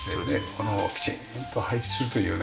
このきちんと配置するというね。